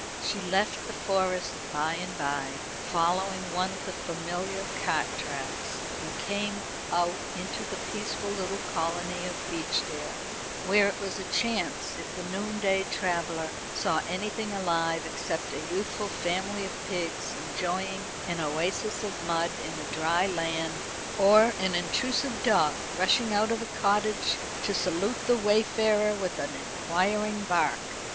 She left the Forest by and by, following one of the familiar cart tracks, and came out into the peaceful little colony of Beechdale, where it was a chance if the noonday traveller saw anything alive except a youthful family of pigs enjoying an oasis of mud in a dry land, or an intrusive dog rushing out of a cottage to salute the wayfarer with an inquiring bark.